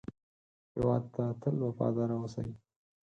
هېواد ته تل وفاداره اوسئ